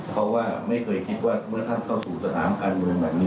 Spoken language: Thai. เพราะว่าไม่เคยคิดว่าเมื่อท่านเข้าสู่สนามการเมืองแบบนี้